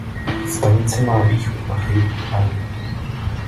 Stanice má východ na "Rue de Paris".